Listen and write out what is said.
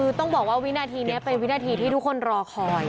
คือต้องบอกว่าวินาทีนี้เป็นวินาทีที่ทุกคนรอคอย